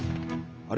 あれ？